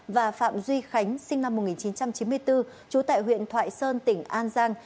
và phạm duy khánh sinh năm một nghìn chín trăm chín mươi bốn trú tại huyện thoại sơn tỉnh an giang